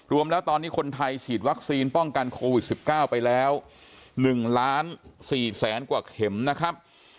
รวมแล้วตอนนี้คนไทยฉีดวัคซีนป้องกันโควิด๑๙ไปแล้ว๑ล้าน๔แสนกว่าเข็มนะครับ